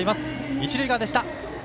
一塁側でした。